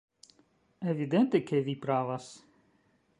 Evidente, ke vi pravas!